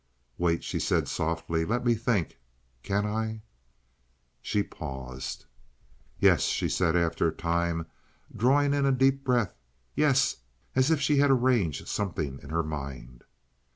"Wait," she said, softly. "Let me think. Can I?" She paused. "Yes," she said, after a time, drawing in a deep breath. "Yes"—as if she had arranged something in her mind.